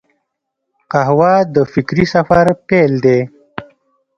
قهوه د فکري سفر پیل دی